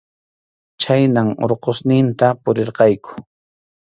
Chhaynam Urqusninta puririrqayku.